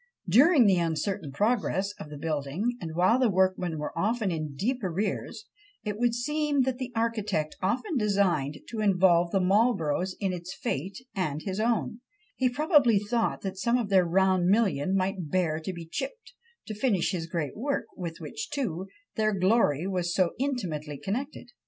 During the uncertain progress of the building, and while the workmen were often in deep arrears, it would seem that the architect often designed to involve the Marlboroughs in its fate and his own; he probably thought that some of their round million might bear to be chipped, to finish his great work, with which, too, their glory was so intimately connected.